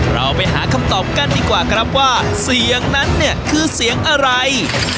เราไปหาคำตอบกันดีกว่าครับว่าเสียงนั้นเนี่ยคือเสียงอะไร